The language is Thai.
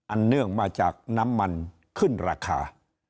เนื่องมาจากน้ำมันขึ้นราคา